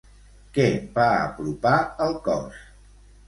Què va apropar al cos?